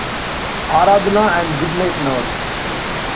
Aaradhna and Goodnight Nurse.